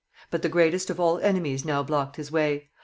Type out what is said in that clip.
But the greatest of all enemies now blocked his way.